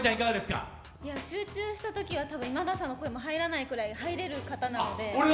集中したときは今田さんの声が入らないくらい、入れる方なので。